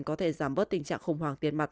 có thể giảm bớt tình trạng khủng hoảng tiền mặt